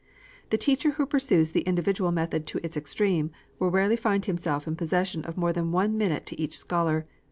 The teacher who pursues the individual method to its extreme, will rarely find himself in possession of more than one minute to each scholar.